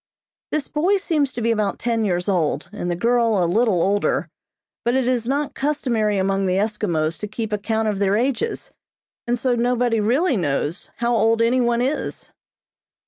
This boy seems to be about ten years old, and the girl a little older, but it is not customary among the Eskimos to keep account of their ages, and so nobody really knows how old any one is.